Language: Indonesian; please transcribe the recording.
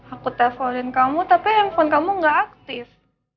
aku telponin kamu tapi handphone kamu gak aktif